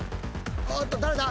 おっと誰だ？